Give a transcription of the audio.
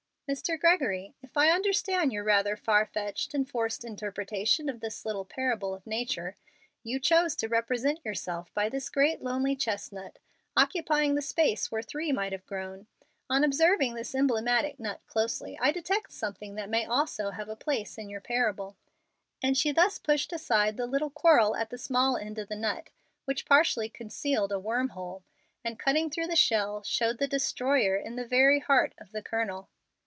"Mr. Gregory, if I understand your rather far fetched and forced interpretation of this little 'parable of nature,' you chose to represent yourself by this great lonely chestnut occupying the space where three might have grown. On observing this emblematic nut closely I detect something that may also have a place in your 'parable';" and she pushed aside the little quirl at the small end of the nut, which partially concealed a worm hole, and cutting through the shell showed the destroyer in the very heart of the kernel.